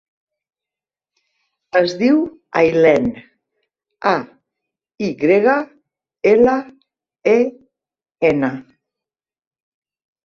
Es diu Aylen: a, i grega, ela, e, ena.